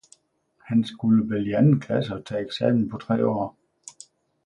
Han skulle vel i anden klasse og tage eksamen på tre år.